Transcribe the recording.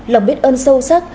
lòng biết ơn sâu sắc